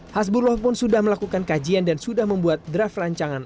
hasbuloh pun sudah melakukan kajian dan sudah membuat draft rancangan